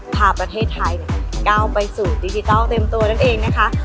พาประเทศไทยเนี่ยเก้าไปสู่ดิจิเก้าเต็มตัวนั่นเองนะคะ